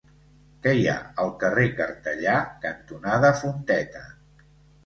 Què hi ha al carrer Cartellà cantonada Fonteta?